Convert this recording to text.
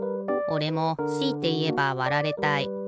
おれもしいていえばわられたい。